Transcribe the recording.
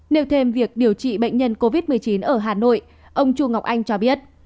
nêu thêm việc điều trị bệnh nhân covid một mươi chín ở hà nội ông chu ngọc anh cho biết